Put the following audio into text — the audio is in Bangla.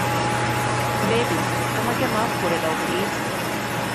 বেবি, আমাকে মাফ করে দাও, প্লিজ।